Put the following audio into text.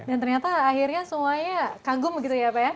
dan ternyata akhirnya semuanya kagum begitu ya pak ya